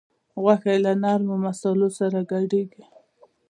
غوښه یې له نرمو مصالحو سره ګډیږي.